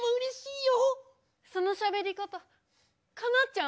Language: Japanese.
そのしゃべり方かなちゃん？